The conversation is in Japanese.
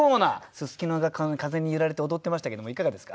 すすきが風に揺られて踊ってましたけどもいかがですか？